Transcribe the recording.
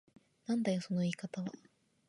なんだよその言い方は。